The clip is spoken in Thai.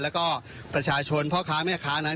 แล้วก็ประชาชนพ่อค้าแม่ค้านั้น